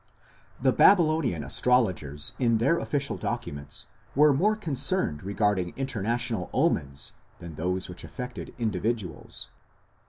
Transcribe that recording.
The Babylonian astrologers in their official documents were more concerned regarding international omens than those which affected individuals.